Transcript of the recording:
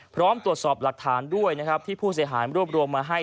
พร้อมตรวจสอบหลักฐานด้วยนะครับที่ผู้เสียหายรวบรวมมาให้